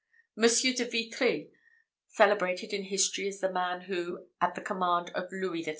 Monsieur de Vitry, celebrated in history as the man who, at the command of Louis XIII.